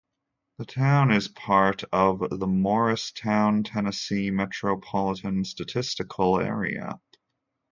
The town is part of the Morristown, Tennessee Metropolitan Statistical Area.